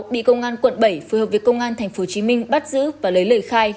bị công an quận bảy phối hợp với công an tp hcm bắt giữ và lấy lời khai